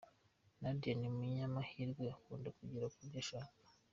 Nadia ni umunyamahirwe, akunda kugera ku byo ashaka.